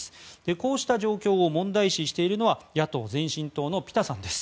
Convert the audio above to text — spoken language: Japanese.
こうした状況を問題視しているのが野党・前進党のピタさんです。